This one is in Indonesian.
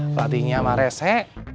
pelatihnya sama rese